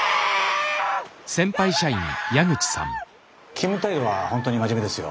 勤務態度は本当に真面目ですよ。